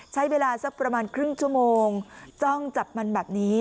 ใช้เวลาสักประมาณครึ่งชั่วโมงจ้องจับมันแบบนี้